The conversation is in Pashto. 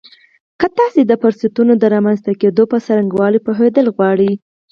که تاسې د فرصتونو د رامنځته کېدو په څرنګوالي پوهېدل غواړئ.